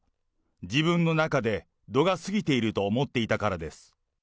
自分の中で度が過ぎていると思っていたからです。